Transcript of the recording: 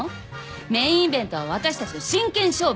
メインイベントは私たちの真剣勝負。